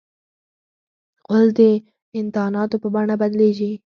غول د انتاناتو په بڼه بدلیږي.